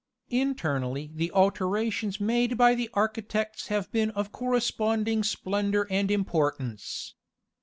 Internally the alterations made by the architects have been of corresponding splendour and importance.